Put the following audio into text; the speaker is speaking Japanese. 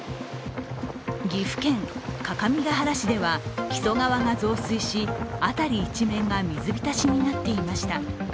岐阜県各務原市では木曽川が増水し辺り一面が水浸しになっていました。